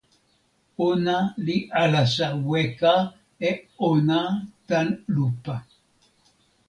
ona li alasa weka e ona tan lupa.